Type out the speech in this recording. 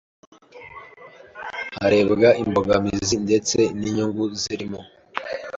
harebwa imbogamizi ndetse n’inyungu zirimo